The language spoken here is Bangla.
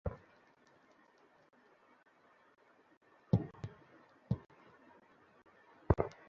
লিওনেল মেসির আন্তর্জাতিক ফুটবল থেকে অবসরে সবাই অবাক হলেও হোর্হে ভালদানো হননি।